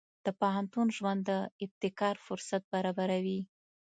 د پوهنتون ژوند د ابتکار فرصت برابروي.